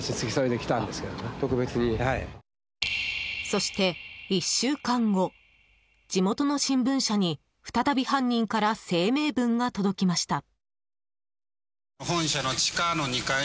そして、１週間後地元の新聞社に再び犯人から声明文が届きました。